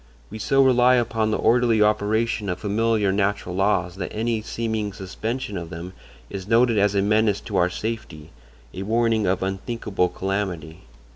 We so rely upon the orderly operation of familiar natural laws that any seeming suspension of them is noted as a menace to our safety, a warning of unthinkable calamity.